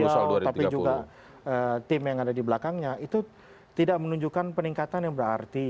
beliau tapi juga tim yang ada di belakangnya itu tidak menunjukkan peningkatan yang berarti